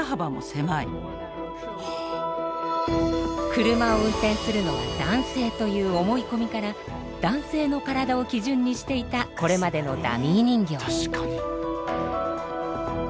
車を運転するのは男性という思い込みから男性の体を基準にしていたこれまでのダミー人形。